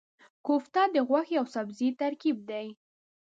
کوفته د غوښې او سبزي ترکیب دی.